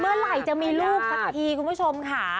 เมื่อไหร่จะมีลูกสักทีคุณผู้ชมค่ะ